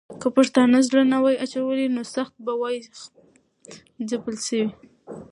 که پښتانه زړه نه وای اچولی، نو سخت به وای ځپل سوي.